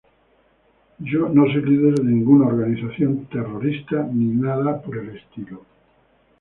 Yo no soy líder de ninguna organización terrorista ni nada de eso.